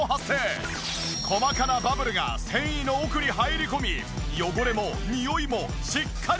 細かなバブルが繊維の奥に入り込み汚れもニオイもしっかり落とす！